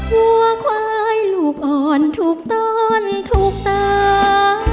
หัวควายลูกอ่อนถูกต้อนถูกตา